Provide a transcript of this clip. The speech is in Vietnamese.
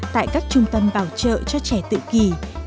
tại các trung tâm bảo trợ cho trẻ tự kỳ